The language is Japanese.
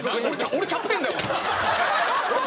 俺『キャプテン』だわ！